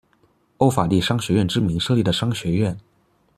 欧法利商学院之名设立的商学院。